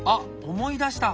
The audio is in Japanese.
思い出した！